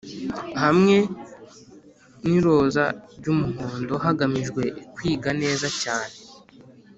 hamwe n'iroza ry'umuhondo hagamijwe kwiga neza cyane